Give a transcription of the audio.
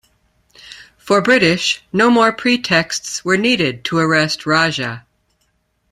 For British no more pretexts were needed to arrest Raja.